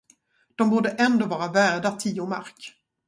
De borde ändå vara värda tio mark.